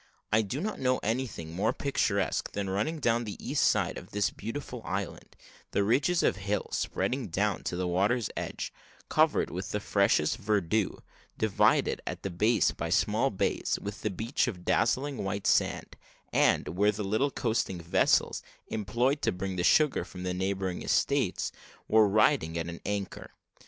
I do not know anything more picturesque than running down the east side of this beautiful island the ridges of hill spreading down to the water's edge, covered with the freshest verdure, divided at the base by small bays, with the beach of dazzling white sand, and where the little coasting vessels, employed to bring the sugar from the neighbouring estates, were riding at an anchor.